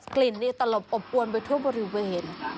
กลิ่นนี่ตลบอบอวนไปทั่วบริเวณ